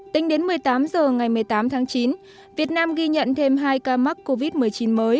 tính đến một mươi tám h ngày một mươi tám tháng chín việt nam ghi nhận thêm hai ca mắc covid một mươi chín mới